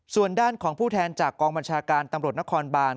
ส่วนด้านของผู้แทนจากกองบัญชาการตำรวจนครบาน